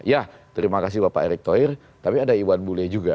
ya terima kasih bapak erick thohir tapi ada iwan bule juga